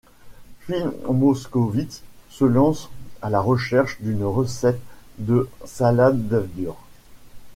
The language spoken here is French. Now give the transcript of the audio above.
Phil Moskowitz se lance à la recherche d'une recette de salade d'œufs durs.